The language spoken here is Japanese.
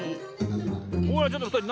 おいちょっとふたり